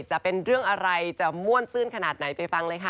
จะเป็นเรื่องอะไรจะม่วนซื่นขนาดไหนไปฟังเลยค่ะ